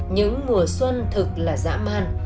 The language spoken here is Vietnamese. những mùa xuân thực là dã man